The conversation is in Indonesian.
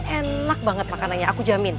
enak banget makanannya aku jamin